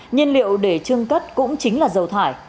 nhân liệu để chương cất cũng chính là dầu thải